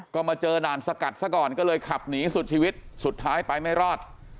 ก็มาเจอด่านสกัดซะก่อนก็เลยขับหนีสุดชีวิตสุดท้ายไปไม่รอด